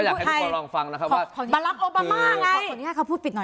มารับโอบามาไง